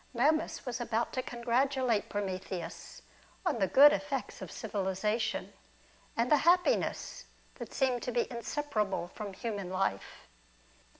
^ Momus was about to congratulate Prometheus on the good effects of civilisation, and the happiness that seemed to be inseparable from human life.